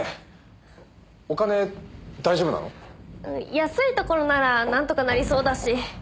安いところならなんとかなりそうだし。